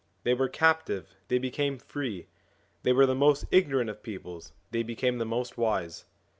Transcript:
They were captive, they became free; they were the most ignorant of peoples, they became the most wise.